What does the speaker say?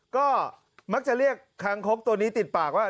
ก็มักจะเรียกคางคกตัวนี้ติดปากว่า